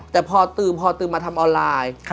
แต่พอตื่นมาทำออนไลน์